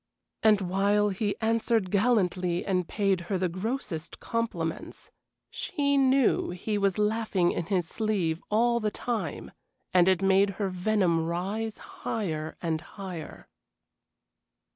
And while he answered gallantly and paid her the grossest compliments, she knew he was laughing in his sleeve all the time, and it made her venom rise higher and higher.